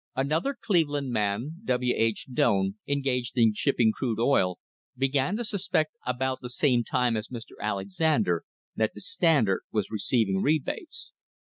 Another Cleveland man, W. H. Doane, engaged in ship ping crude oil, began to suspect about the same time as Mr. Alexander that the Standard was receiving rebates.